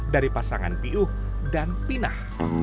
dari pasangan piuh dan pinah